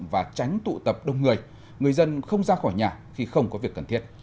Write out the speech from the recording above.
và tránh tụ tập đông người người dân không ra khỏi nhà khi không có việc cần thiết